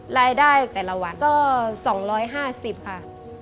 รายได้แต่ละวันก็๒๕๐ค่ะ